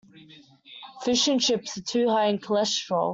Fish and chips are too high in cholesterol.